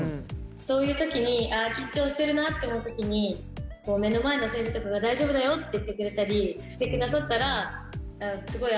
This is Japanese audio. そういう時にああ緊張してるなって思う時に目の前の先生とかが大丈夫だよって言ってくれたりしてくださったらスゴイ安心するなって。